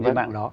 với mạng đó